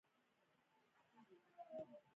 ما ورته وویل: زه اسنادو ته هیڅ اړتیا نه لرم.